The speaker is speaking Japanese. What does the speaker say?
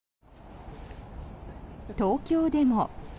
東京でも。